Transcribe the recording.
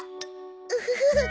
ウフフッ。